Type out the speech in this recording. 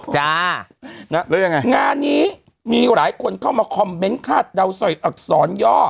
จ้าแล้วยังไงงานนี้มีหลายคนเข้ามาคอมเมนต์คาดเดาใส่อักษรย่อ